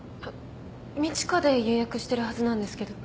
路加で予約してるはずなんですけど。